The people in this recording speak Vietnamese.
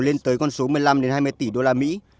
lên tới con số một mươi năm hai mươi tỷ usd